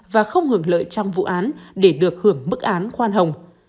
và không hưởng lợi trong vụ án để được hưởng mức án khoan hồng